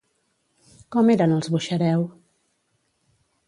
Com eren els Buxareu?